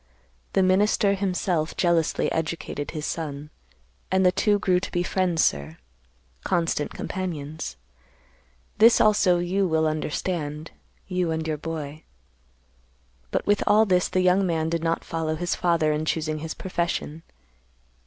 The minister, himself, jealously educated his son, and the two grew to be friends, sir, constant companions. This, also, you will understand—you and your boy. But with all this the young man did not follow his father in choosing his profession.